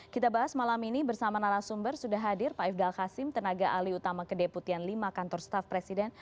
kita bahas malam ini bersama narasumber sudah hadir pak ifdal hasim tenaga alih utama kedeputian lima kantor staff presiden